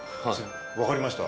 わかりました。